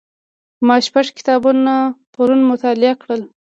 ما شپږ کتابونه پرون مطالعه کړل.